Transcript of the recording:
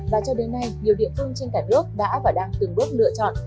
và cho đến nay nhiều địa phương trên cả nước đã và đang từng bước lựa chọn